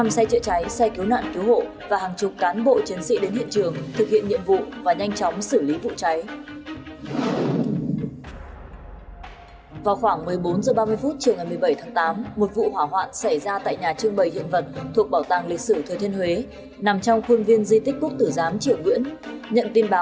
năm xe chữa cháy xe cứu nạn cứu hộ và hàng chục cán bộ chiến sĩ đến hiện trường thực hiện nhiệm vụ và nhanh chóng xử lý vụ cháy